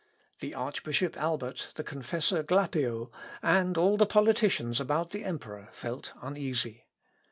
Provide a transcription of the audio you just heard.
The Archbishop Albert, the confessor Glapio, and all the politicians about the emperor, felt uneasy.